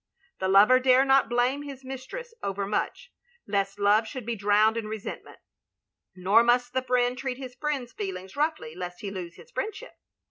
The lover dare not blame his mis tress over much, lest love should be drowned in resentment ; nor must the friend treat his friend's feelings roughly lest he lose his friendship.